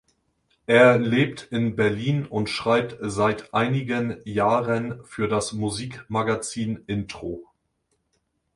Er lebt in Berlin und schreibt seit einigen Jahren für das Musikmagazin Intro.